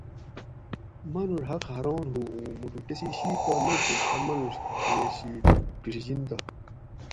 مانوڄ حق حاراں ہو اُوں مُٹو کسی شید پا نہ کو ڷہ مانوڄ کھیر شی پھڛِجنت تہ